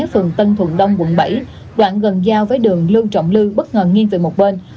phường tân thuận đông quận bảy đoạn gần giao với đường lương trọng lư bất ngờ nghiêng về một bên